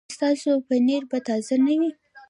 ایا ستاسو پنیر به تازه نه وي؟